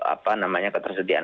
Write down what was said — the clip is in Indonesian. apa namanya ketersediaan